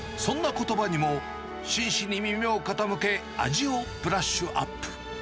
そんなことばにも、真摯に耳を傾け、味をブラッシュアップ。